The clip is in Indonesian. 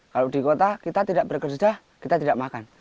kalau di kota kita tidak bekerja kita tidak makan